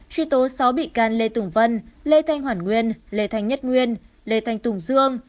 truy tố sáu bị can lê tùng vân lê thanh hoàn nguyên lê thanh nhất nguyên lê thanh tùng dương